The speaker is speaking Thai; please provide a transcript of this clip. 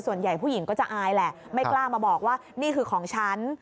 ส่วนใหญ่ผู้หญิงก็จะอายแหละไม่กล้ามาบอกว่านี่คือของฉัน